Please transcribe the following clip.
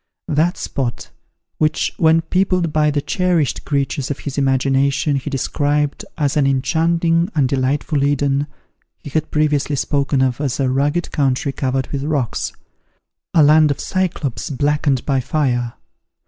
That spot, which when peopled by the cherished creatures of his imagination, he described as an enchanting and delightful Eden, he had previously spoken of as a "rugged country covered with rocks," "a land of Cyclops blackened by fire."